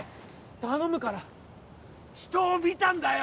頼むから人を見たんだよ